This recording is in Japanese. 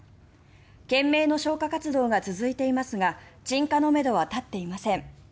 懸命の消火活動が続いていますが鎮火のめどは立っていません。